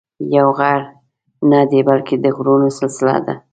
یو غر نه دی بلکې د غرونو سلسله ده.